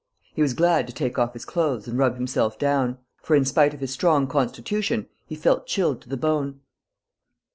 He was glad to take off his clothes and rub himself down; for, in spite of his strong constitution, he felt chilled to the bone.